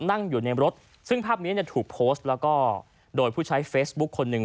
นั่งอยู่ในรถซึ่งภาพนี้เนี่ยถูกโพสต์แล้วก็โดยผู้ใช้เฟซบุ๊คคนหนึ่ง